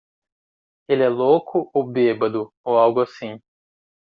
Ele é louco ou bêbado ou algo assim.